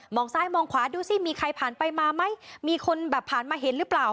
องซ้ายมองขวาดูสิมีใครผ่านไปมาไหมมีคนแบบผ่านมาเห็นหรือเปล่า